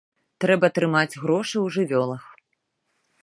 Трэба трымаць грошы ў жывёлах.